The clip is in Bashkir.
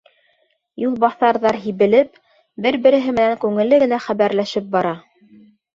Юлбаҫарҙар һибелеп, бер-береһе менән күңелле генә хәбәрләшеп бара.